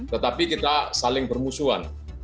tetapi kita saling bermusuhan